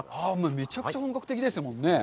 めちゃくちゃ本格的ですもんね。